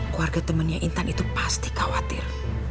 keluarga temannya intan itu pasti khawatir